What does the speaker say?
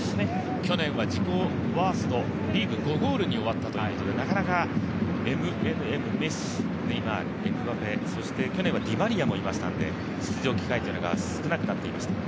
去年は自己ワースト、リーグ５ゴールに終わったということで、なかなかＭＮＭ、メッシ、ネイマール、エムバペ、そして去年はディバリアもいましたので、出場機会が少なくなっていました。